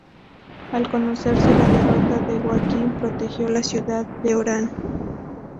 Al conocerse la derrota de Huaqui, protegió la ciudad de Orán.